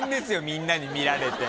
みんなに見られて。